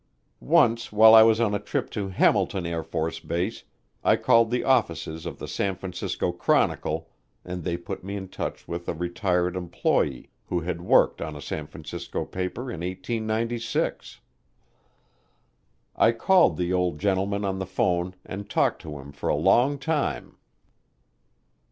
Once while I was on a trip to Hamilton AFB I called the offices of the San Francisco Chronicle and they put me in touch with a retired employee who had worked on a San Francisco paper in 1896. I called the old gentleman on the phone and talked to him for a long time.